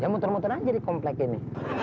ya muter muter aja di komplek ini